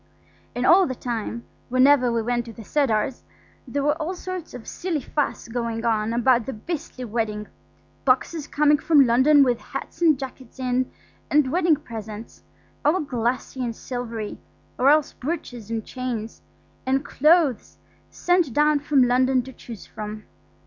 And all the time, whenever we went to the Cedars, there was all sorts of silly fuss going on about the beastly wedding; boxes coming from London with hats and jackets in, and wedding presents–all glassy and silvery, or else brooches and chains–and clothes sent down from London to choose from.